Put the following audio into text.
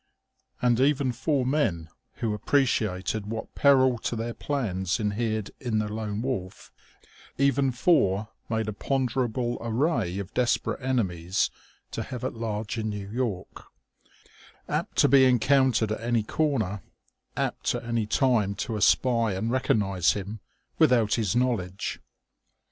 And even four men who appreciated what peril to their plans inhered in the Lone Wolf, even four made a ponderable array of desperate enemies to have at large in New York, apt to be encountered at any corner, apt at any time to espy and recognise him without his knowledge.